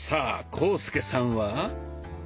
浩介さんは？